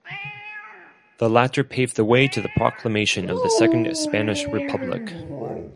The latter paved the way to the proclamation of the Second Spanish Republic.